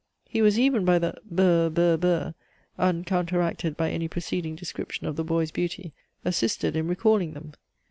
He was even by the "burr, burr, burr," uncounteracted by any preceding description of the boy's beauty, assisted in recalling them.